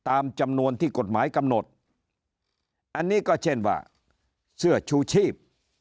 ตามจำนวนที่กฎหมายกำหนดอันนี้ก็เช่นว่าเสื้อชูชีพ